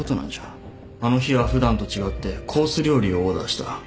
あの日は普段と違ってコース料理をオーダーした。